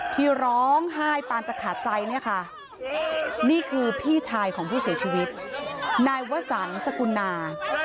ที่ร้องไห้ปานจะขาดใจเนี่ยค่ะนี่คือพี่ชายของผู้เสียชีวิตนายวสันสกุณา